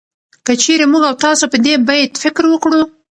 که چېرې موږ او تاسو په دې بيت فکر وکړو